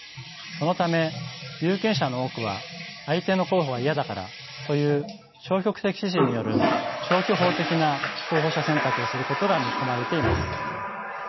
そのため有権者の多くは相手の候補が嫌だからという消極的支持による消去法的な候補者選択をすることが見込まれています。